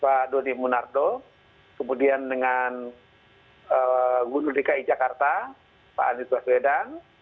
pertama dengan pak fendiéesen di munardo kemudian dengan kawan gogr brown di strathclydea jakarta pak arnold baswedang